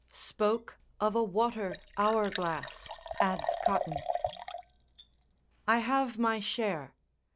Spoke of a water hour glass, adds Cotton.] I have my share.